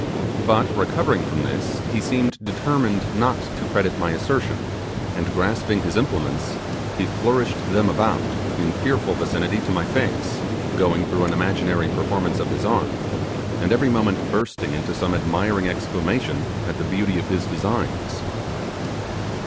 But recovering from this, he seemed determined not to credit my assertion, and grasping his implements, he flourished them about in fearful vicinity to my face, going through an imaginary performance of his art, and every moment bursting into some admiring exclamation at the beauty of his designs.